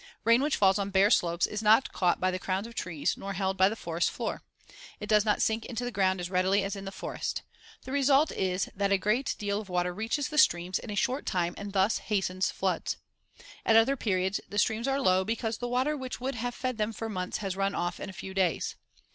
Rain which falls on bare slopes is not caught by the crowns of trees nor held by the forest floor. It does not sink into the ground as readily as in the forest. The result is that a great deal of water reaches the streams in a short time and thus hastens floods. At other periods the streams are low because the water which would have fed them for months has run off in a few days.